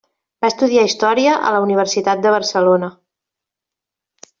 Va estudiar història a la Universitat de Barcelona.